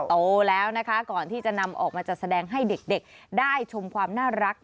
โตแล้วนะคะก่อนที่จะนำออกมาจัดแสดงให้เด็กได้ชมความน่ารัก